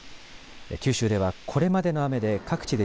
九州ではこれまでの雨で各地で